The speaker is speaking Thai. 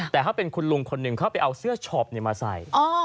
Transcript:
แต่ถ้าเป็นคุณลุงคนหนึ่งเข้าไปเอาเสื้อช็อปมาใส่